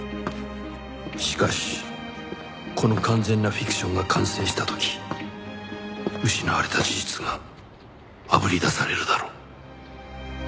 しかしこの完全なフィクションが完成した時失われた事実があぶり出されるだろう。